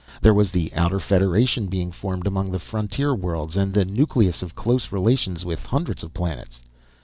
There was the Outer Federation being formed among the frontier worlds and the nucleus of close relations with hundreds of planets.